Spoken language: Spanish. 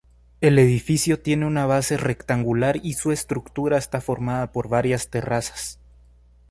El edificio tiene una base rectangular y su estructura está formada por varias terrazas.